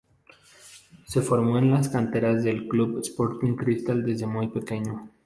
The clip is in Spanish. Se formó en las canteras del club Sporting Cristal desde muy pequeño.